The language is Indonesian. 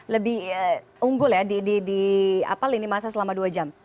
lebih unggul ya di lini masa selama dua jam